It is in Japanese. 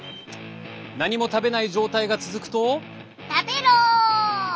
何も食べない状態が続くと。